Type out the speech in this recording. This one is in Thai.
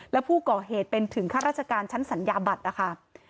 และผู้ก่อเหตุเป็นถึงข้าราชการชั้นสัญญาบัตรนะคะ